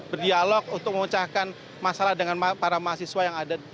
berdialog untuk mengucapkan masalah dengan para mahasiswa yang ada